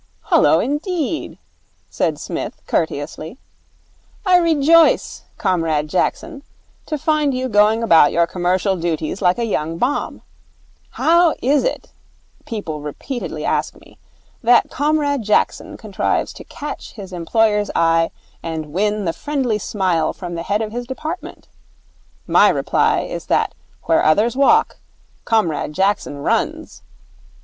'Hullo indeed,' said Psmith, courteously. 'I rejoice, Comrade Jackson, to find you going about your commercial duties like a young bomb. How is it, people repeatedly ask me, that Comrade Jackson contrives to catch his employer's eye and win the friendly smile from the head of his department? My reply is that where others walk, Comrade Jackson runs.